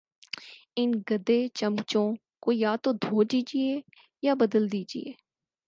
ان گدے چمچوں کو یا تو دھو دیجئے یا بدل دیجئے